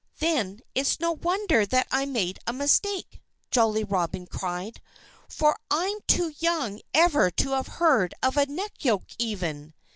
"Then it's no wonder that I made a mistake!" Jolly Robin cried. "For I'm too young ever to have heard of a neck yoke, even."